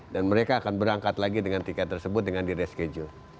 dan mereka akan berangkat lagi dengan tiket tersebut dengan di reschedule